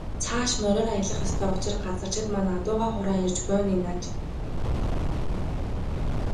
Цааш мориор аялах ёстой учир газарчид маань адуугаа хураан ирж буй нь энэ аж.